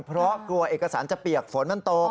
เพราะกลัวเอกสารจะเปียกฝนมันตก